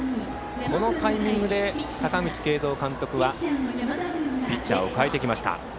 このタイミングで阪口慶三監督はピッチャーを代えてきました。